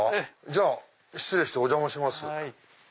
じゃあ失礼してお邪魔します。